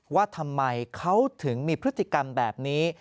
ว่าทำไมเขาถึงมีพฤติกรรมแบบนี้